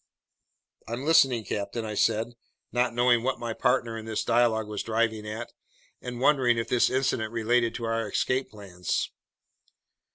"I'm listening, captain," I said, not knowing what my partner in this dialogue was driving at, and wondering if this incident related to our escape plans.